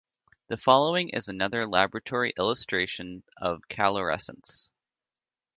The following is another laboratory illustration of calorescence.